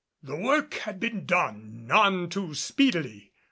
The work had been done none too speedily.